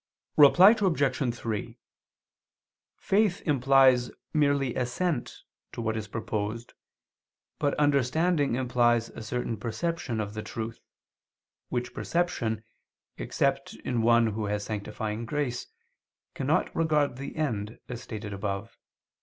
Reply Obj. 3: Faith implies merely assent to what is proposed but understanding implies a certain perception of the truth, which perception, except in one who has sanctifying grace, cannot regard the end, as stated above.